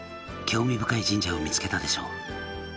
興味深い神社を見つけたでしょ？」